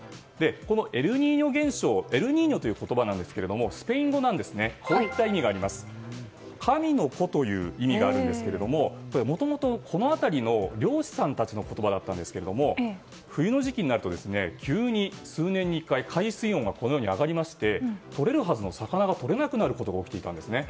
このエルニーニョ現象エルニーニョという言葉ですがスペイン語で、神の子という意味があるんですけれどももともと、この辺りの漁師さんたちの言葉で冬の時期になると急に数年に１回海水温が上がりましてとれるはずの魚がとれなくなっていたんですね。